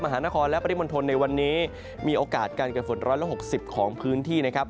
หานครและปริมณฑลในวันนี้มีโอกาสการเกิดฝน๑๖๐ของพื้นที่นะครับ